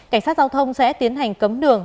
cảnh sát giao thông sẽ tiến hành cấm đường